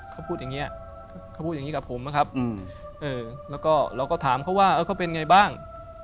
เขาพูดอย่างนี้กับผมนะครับแล้วก็ถามเขาว่าเขาเป็นยังไงบ้าง